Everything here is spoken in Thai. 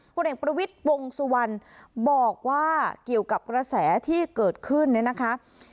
ผลเอกประวิทย์วงสุวรรณบอกว่าเกี่ยวกับกระแสที่เกิดขึ้นเนี่ยนะคะ